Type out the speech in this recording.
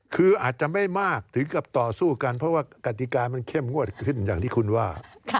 คืออาจจะไม่มากถึงกับต่อสู้กันเพราะว่ากติกามันเข้มงวดขึ้นอย่างที่คุณว่า